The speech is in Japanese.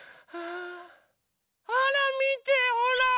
あらみてほら！